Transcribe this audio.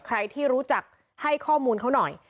ใครที่รู้จักให้ข้อมูลเขาหน่อย